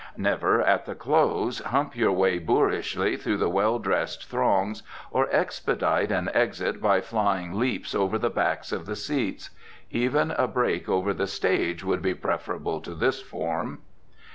Never, at the close, hump your way boorishly through the well dressed throngs, or expedite an exit by flying leaps over the backs of the seats. Even a break over the stage would be preferable to this form.